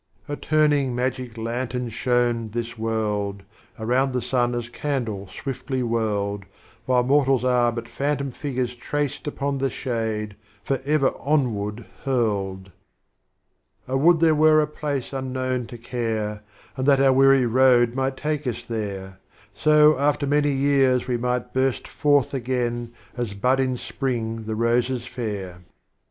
A Turning Magic Luutern Sliown this World, Around the Sun as Candle swiftly whirled, While Mortals are but Phantom Figures traced Upon the Shade, forever Onward hurled. Oh would there were a Place unknown to care, And that our Weary Road might take us there ; So after many Years, we might burst forth Again, as bud in Spring the Roses fair.